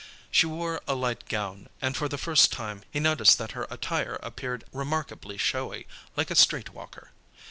She wore a light gown, and, for the first time, he noticed that her attire appeared remarkably showy, like a street walker.